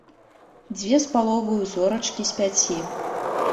Дзве з паловаю зорачкі з пяці.